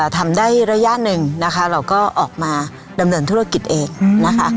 ทำได้ระยะหนึ่งนะคะเราก็ออกมาดำเนินธุรกิจเองนะคะ